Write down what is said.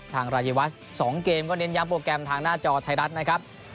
รายวัช๒เกมก็เน้นย้ำโปรแกรมทางหน้าจอไทยรัฐนะครับ